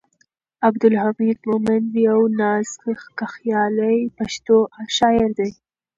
عبدالحمید مومند یو نازکخیاله پښتو شاعر دی.